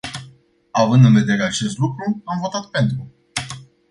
Având în vedere acest lucru, am votat pentru.